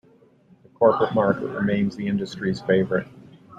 The corporate market remains the industry's favorite.